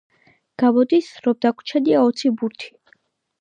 გამოდის, რომ დაგვრჩენია ოცი ბურთი.